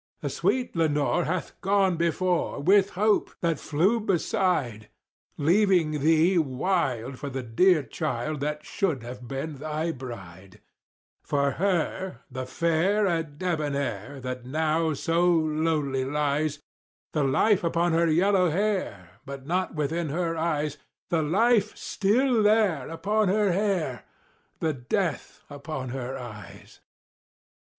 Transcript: The sweet Lenore hath "gone before," with Hope, that flew beside Leaving thee wild for the dear child that should have been thy bride— For her, the fair and debonair, that now so lowly lies, The life upon her yellow hair but not within her eyes— The life still there, upon her hair—the death upon her eyes.